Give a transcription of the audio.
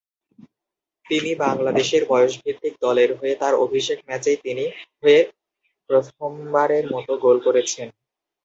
তিনি বাংলাদেশের বয়সভিত্তিক দলের হয়ে তার অভিষেক ম্যাচেই তিনি হয়ে প্রথমবারের মতো গোল করেছেন।